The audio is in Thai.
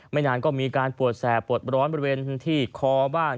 นานก็มีการปวดแสบปวดร้อนบริเวณที่คอบ้าง